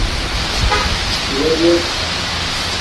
شݸوہ دݵک.